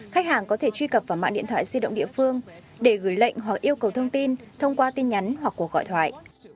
khách hàng có thể truy cập vào mạng điện thoại di động địa phương để gửi lệnh hoặc yêu cầu thông tin thông qua tin nhắn hoặc cuộc gọi thoại